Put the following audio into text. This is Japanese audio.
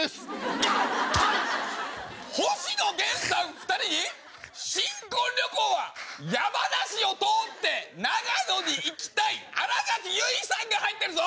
２人に新婚旅行は山梨を通って長野に行きたい新垣結衣さんが入ってるぞ！